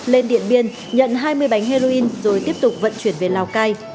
lên điện biên nhận hai mươi bánh heroin rồi tiếp tục vận chuyển về lào cai